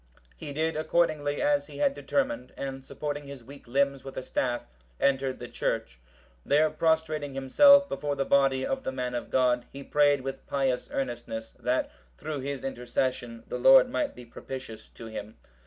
He did accordingly as he had determined, and supporting his weak limbs with a staff, entered the church. There prostrating himself before the body of the man of God, he prayed with pious earnestness, that, through his intercession, the Lord might be propitious to him.